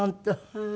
はい。